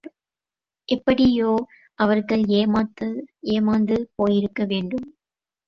எப்படியோ அவர்கள் ஏமாந்து போயிருக்க வேண்டும்.